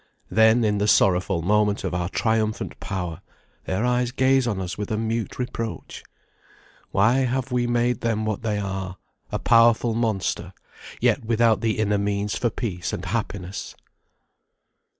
Then, in the sorrowful moment of our triumphant power, their eyes gaze on us with a mute reproach. Why have we made them what they are; a powerful monster, yet without the inner means for peace and happiness?